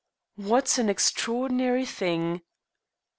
"What an extraordinary thing!"